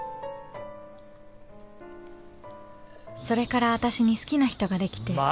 ［それからあたしに好きな人ができて］